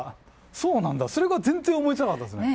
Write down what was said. そうなんだそれが全然思いつかなかったですね。